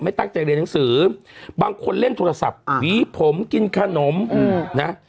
ตั้งใจเรียนหนังสือบางคนเล่นโทรศัพท์หวีผมกินขนมนะ